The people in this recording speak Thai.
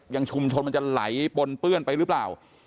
ชุมชนมันจะไหลปนเปื้อนไปหรือเปล่า